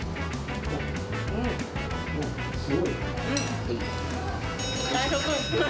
すごい。